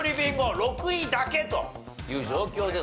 ６位だけという状況です。